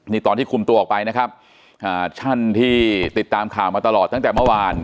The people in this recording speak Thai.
นี่ตอนที่คุมตัวออกไปนะครับอ่าท่านที่ติดตามข่าวมาตลอดตั้งแต่เมื่อวาน